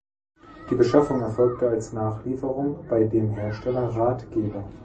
Die Beschaffung erfolgte als Nachlieferung bei dem Hersteller Rathgeber.